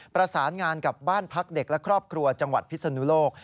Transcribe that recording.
ประสานงานกับบ้านพักเด็กและครอบครัวจังหวัดพิศนุโลก